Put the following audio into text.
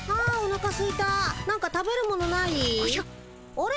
あれ？